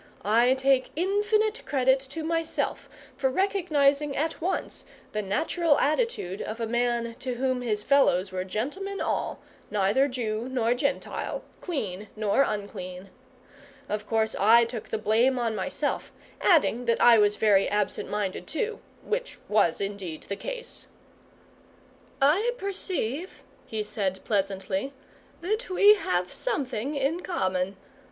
I take infinite credit to myself for recognising at once the natural attitude of a man to whom his fellows were gentlemen all, neither Jew nor Gentile, clean nor unclean. Of course, I took the blame on myself; adding, that I was very absent minded too, which was indeed the case. "I perceive," he said pleasantly, "that we have something in common.